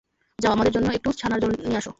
যাও, আমাদের জন্য একটু ছানার জল নিয়ে আসো।